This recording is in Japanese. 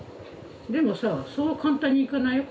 でもさそう簡単にいかないよ。